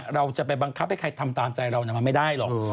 เราจะไปบังคับให้ใครทำตามใจเรามันไม่ได้หรอก